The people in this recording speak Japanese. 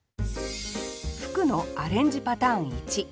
「吹く」のアレンジパターン１。